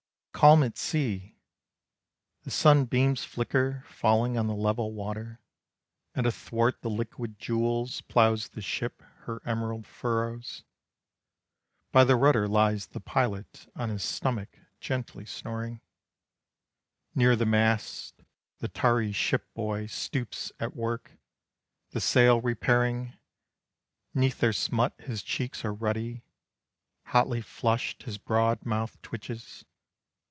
Calm at sea! The sunbeams flicker Falling on the level water, And athwart the liquid jewels Ploughs the ship her emerald furrows. By the rudder lies the pilot On his stomach, gently snoring, Near the mast, the tarry ship boy Stoops at work, the sail repairing. 'Neath their smut his cheeks are ruddy, Hotly flushed, his broad mouth twitches.